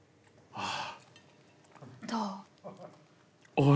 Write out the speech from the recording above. ああ。